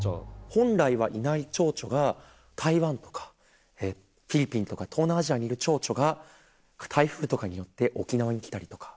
本来はいない蝶々が台湾とかフィリピンとか東南アジアにいる蝶々が台風とかによって沖縄に来たりとか。